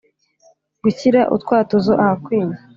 Gushyira utwatuzo ahakwiye